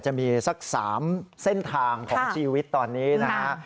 จะมีสัก๓เส้นทางของชีวิตตอนนี้นะฮะ